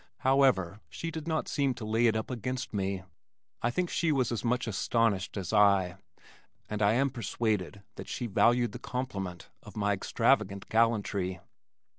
However, she did not seem to lay it up against me. I think she was as much astonished as I and I am persuaded that she valued the compliment of my extravagant gallantry.